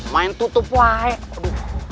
main tutup wai aduh kaput